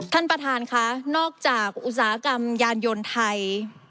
ท่านประธานค่ะนอกจากอุตสาหกรรมยานยนต์ไทย